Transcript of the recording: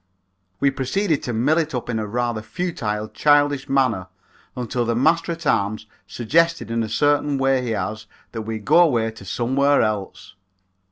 We proceeded to mill it up in a rather futile, childish manner until the Master at arms suggested in a certain way he has that we go away to somewhere else.